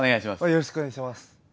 よろしくお願いします。